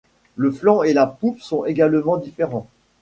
Le flanc et la poupe sont également différents.